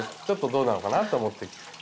ちょっとどうなのかなと思って。